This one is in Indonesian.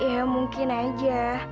ya mungkin aja